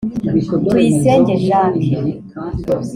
Tuyisenge Jacques